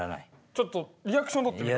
ちょっとリアクション取ってみるわ。